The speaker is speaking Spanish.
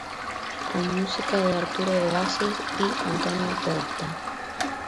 Con música de Arturo De Bassi y Antonio Podestá.